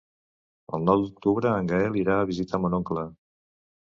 El nou d'octubre en Gaël irà a visitar mon oncle.